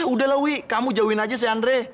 udah lah wi kamu jauhin aja si andre